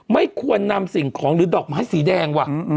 ไม่ควรนำสิ่งของหรือดอกไม้สีแดงว่ะ